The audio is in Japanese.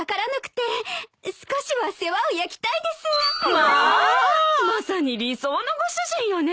まさに理想のご主人よね。